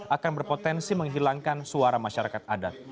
akan berpotensi menghilangkan suara masyarakat adat